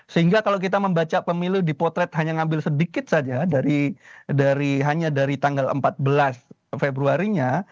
sehingga kalau kita membaca pemilu dipotret hanya ngambil sedikit saja dari hanya dari tanggal empat belas februarinya